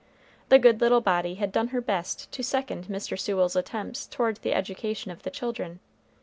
The good little body had done her best to second Mr. Sewell's attempts toward the education of the children.